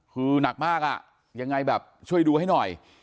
คือหนักมากอ่ะยังไงแบบช่วยดูให้หน่อย